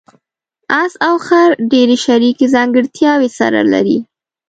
اس او خر ډېرې شریکې ځانګړتیاوې سره لري.